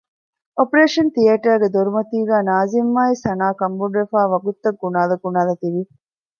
އޮޕަރޭޝަން ތިއޭޓަރގެ ދޮރުމަތީގައި ނާޒިމްއާއި ސަނާ ކަންބޮޑުވެފައި ވަގުތުތައް ގުނާލަ ގުނާލާ ތިވި